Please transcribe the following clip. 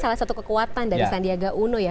salah satu kekuatan dari sandiaga uno ya